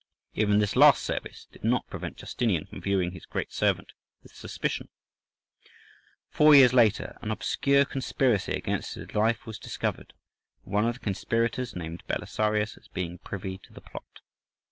Even this last service did not prevent Justinian from viewing his great servant with suspicion. Four years later an obscure conspiracy against his life was discovered, and one of the conspirators named Belisarius as being privy to the plot.